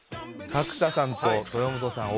角田さんと豊本さん